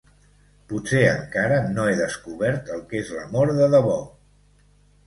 Potser encara no he descobert el que és l'amor de debò.